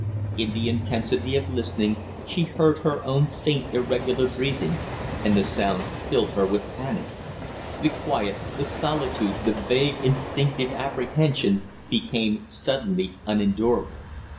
In the intensity of listening, she heard her own faint, irregular breathing, and the sound filled her with panic. The quiet, the solitude, the vague, instinctive apprehension, became suddenly unendurable.